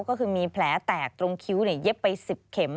ก็คือมีแผลแตกตรงคิ้วเย็บไป๑๐เข็ม